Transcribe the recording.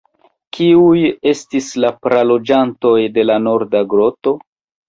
Kiuj estis la praloĝantoj de la norda groto?